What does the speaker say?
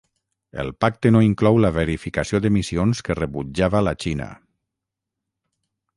El pacte no inclou la verificació d'emissions que rebutjava la Xina.